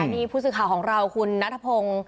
นี่ผู้สื่อข่าวของเราคุณนัทพงศ์